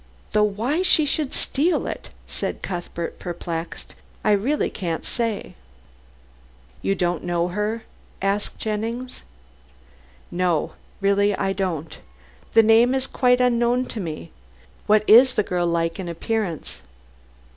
Though why she should steal it," said Cuthbert perplexed, "I really can't say!" "You don't know her?" asked Jennings. "No. Really, I don't. The name is quite unknown to me. What is the girl like in appearance?"